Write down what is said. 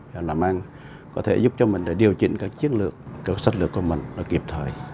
và có thể giúp cho mình điều chỉnh các chiến lược các sách lược của mình kịp thời